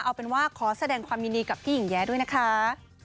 เอาเป็นว่าขอแสดงความยินดีกับพี่หญิงแย้ด้วยนะคะ